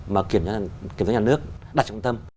mà kiểm tra nhà nước đặt trong tâm